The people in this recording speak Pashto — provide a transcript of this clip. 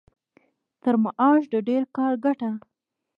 تر معاش د ډېر کار ګټه.